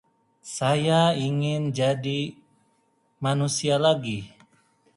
All checked baggage is always x-rayed at all major commercial airports.